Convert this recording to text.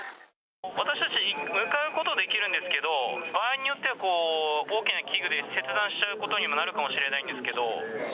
私たち向かうことはできるんですけど、場合によっては大きな器具で切断しちゃうことになるかもしれないんですけど。